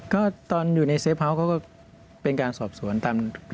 ก็ทึ่งในเซฟฮาล์ห์ก็เป็นการสอบส่วนไม่ตาย